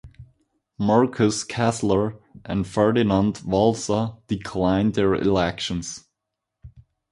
Markus Kessler and Ferdinand Walser declined their elections.